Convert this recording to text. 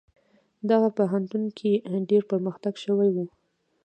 دغه پوهنتون کې ډیر پرمختګ شوی و.